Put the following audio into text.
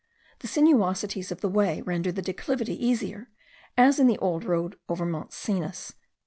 The sinuosities of the way render the declivity easier, as in the old road over Mont Cenis.